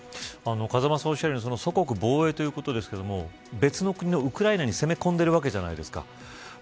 風間さんおっしゃるように祖国防衛ということですが別の国のウクライナに攻め込んでいるわけじゃないですか。